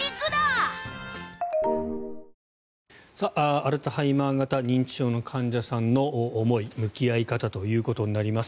アルツハイマー型認知症の患者さんの思い、向き合い方ということになります。